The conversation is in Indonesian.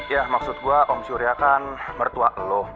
ya maksud gue om surya kan mertua elo